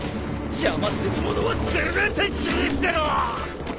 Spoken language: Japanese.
邪魔する者は全て斬り捨てろ！